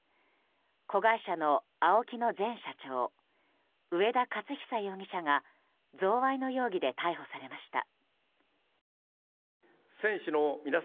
子会社のＡＯＫＩの前社長上田雄久容疑者が贈賄の容疑で逮捕されました。